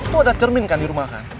lo ada cermin kan di rumah kan